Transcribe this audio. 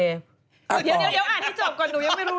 เดี๋ยวอ่านให้จบก่อนดูยังไม่รู้เรื่องในการ